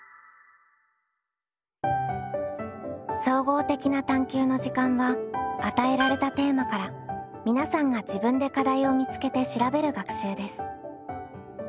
「総合的な探究の時間」は与えられたテーマから皆さんが自分で課題を見つけて調べる学習です。